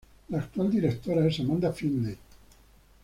La actual directora es Amanda Findlay.